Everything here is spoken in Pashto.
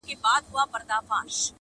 نجلۍ په درد کي ښورېږي او ساه يې تنګه ده,